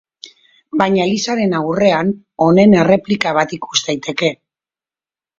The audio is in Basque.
Baina elizaren aurrean honen erreplika bat ikus daiteke.